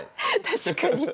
確かに。